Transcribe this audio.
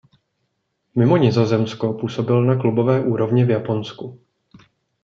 Mimo Nizozemsko působil na klubové úrovni v Japonsku.